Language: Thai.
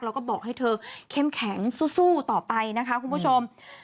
แล้วก็บอกให้เธอเข้มแข็งสู้ต่อไปนะคะคุณผู้ชม